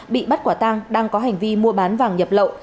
bị bắt quả tang đang có hành vi mua bán vàng nhập lậu